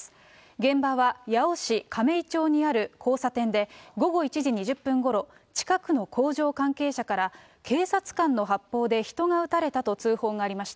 現場は八尾市かめい町にある交差点で、午後１時２０分ごろ、近くの工場関係者から、警察官の発砲で人が撃たれたと通報がありました。